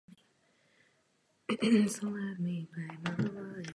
Tento sbor byl složen převážně z německých občanů Zákup.